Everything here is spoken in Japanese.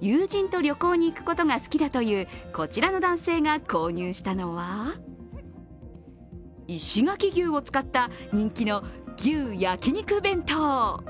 友人と旅行に行くことが隙だというこちらの男性が購入したのは、石垣牛を使った人気の牛焼肉弁当。